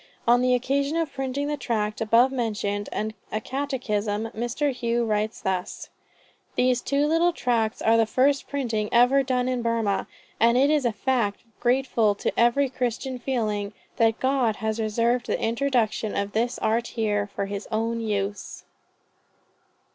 On the occasion of printing the tract above mentioned, and a catechism, Mr. Hough writes thus: "These two little tracts are the first printing ever done in Burmah; and it is a fact grateful to every Christian feeling, that God has reserved the introduction of this art here, for his own use."